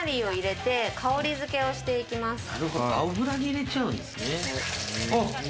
油に入れちゃうんですね。